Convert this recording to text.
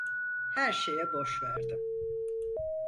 Her şeye boş verdim.